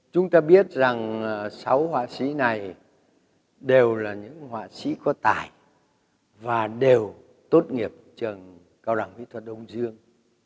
chúng ta biết rằng sáu họa sĩ này đều là những họa sĩ có tài và đều tốt nghiệp trường cao đẳng kỹ thuật đông dương